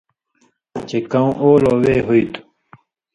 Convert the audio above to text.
چے کؤں اولو وے ہُوئ تُھو